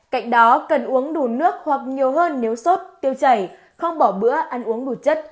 cạnh đó cần uống đủ nước hoặc nhiều hơn nếu sốt tiêu chảy không bỏ bữa ăn uống đủ chất